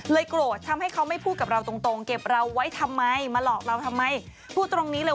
ก็โกรธกันอย่างนี้อะไรแบบนี้